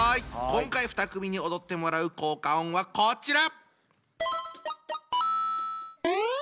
今回２組に踊ってもらう効果音はこちら！